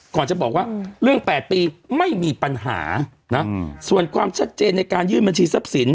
ก่อนจะบอกว่าเรื่อง๘ปีไม่มีปัญหานะส่วนความชัดเจนในการยื่นบัญชีทรัพย์สิน